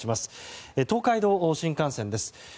東海道新幹線です。